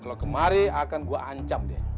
kalau kemari akan gua ancam dien